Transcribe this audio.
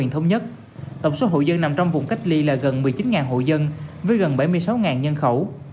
tổng số hội dân nằm trong vùng cách ly là gần một mươi chín hội dân với gần bảy mươi sáu nhân khẩu